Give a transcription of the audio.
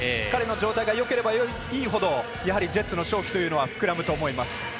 彼の状態がよければいいほどやはりジェッツの勝機というのは膨らむと思います。